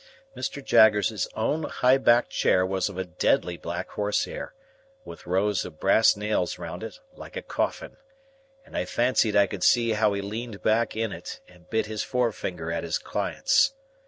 Mr. Jaggers's own high backed chair was of deadly black horsehair, with rows of brass nails round it, like a coffin; and I fancied I could see how he leaned back in it, and bit his forefinger at the clients.